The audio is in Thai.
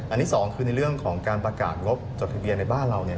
อันนี้๒คือในเรื่องของการประกาศงบจดทะเบียนในบ้านเรา